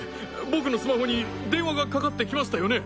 僕のスマホに電話がかかってきましたよね！？